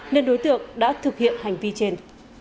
nên đối tượng đã thực hiện hành vi trên